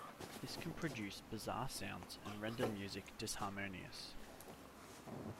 This can produce bizarre sounds and render music disharmonious.